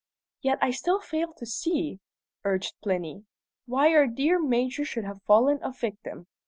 "Yet I still fail to see," urged Plinny, "why our dear Major should have fallen a victim."